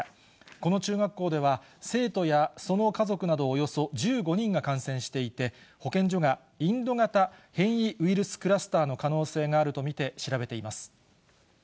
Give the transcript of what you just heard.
この中学校では、生徒やその家族などおよそ１５人が感染していて、保健所がインド型変異ウイルスクラスターの可能性があると見て調